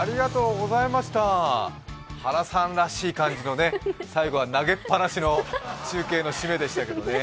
原さんらしい感じのね、最後は投げっぱなしの中継の締めでしたけどね。